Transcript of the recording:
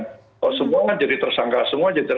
kalau semua kan jadi tersangkar